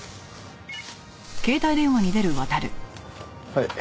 はい。